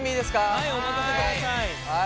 はいお任せください！